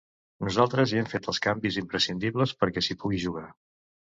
Nosaltres hi hem fet els canvis imprescindibles perquè s’hi pugui jugar.